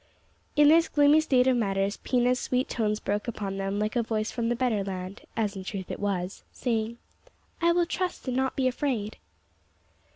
In this gloomy state of matters Pina's sweet tones broke upon them like a voice from the better land as in truth it was saying, "I will trust and not be afraid."